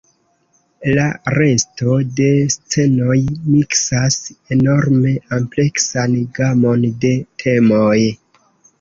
La resto de scenoj miksas enorme ampleksan gamon de temoj.